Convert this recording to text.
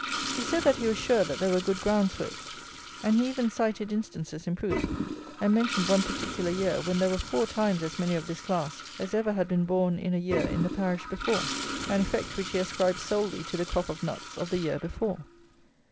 He said that he was sure that there were good grounds for it; and he even cited instances in proof, and mentioned one particular year, when there were four times as many of this class as ever had been born in a year in the parish before; an effect which he ascribed solely to the crop of nuts of the year before.